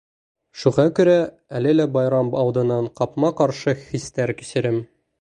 Шуға күрә әле лә байрам алдынан ҡапма-ҡаршы хистәр кисерәм.